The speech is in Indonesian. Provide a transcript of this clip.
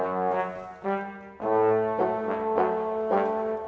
dia juga ngelup dan mengamuk